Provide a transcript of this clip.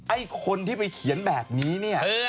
ไอ้คนที่ไปเขียนแบบนี้เนี่ย